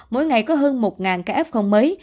mỗi ngày có hơn một ca f mới